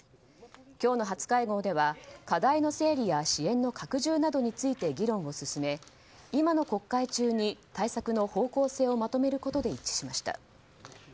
今日の初会合では課題の整理や支援の拡充などについて議論を進め、今の国会中に対策の方向性をまとめることで一致しました。